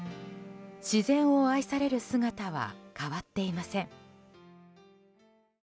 自然を愛される姿は変わっていません。